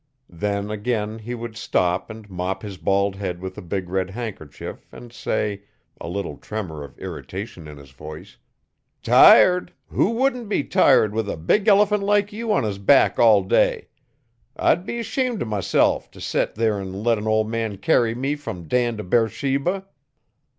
Then, again, he would stop and mop his bald head with a big red handkerchief and say, a little tremor of irritation in his voice: 'Tired! who wouldn't be tired with a big elephant like you on his back all day? I'd be 'shamed o' myself t' set there an' let an old man carry me from Dan to Beersheba.